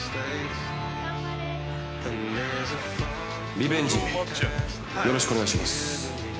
◆リベンジよろしくお願いします。